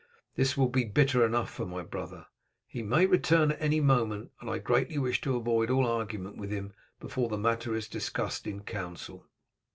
This will be bitter enough for my brother. He may return at any moment, and I greatly wish to avoid all argument with him before the matter is discussed in council."